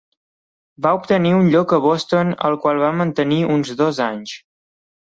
Va obtenir un lloc a Boston, el qual va mantenir uns dos anys.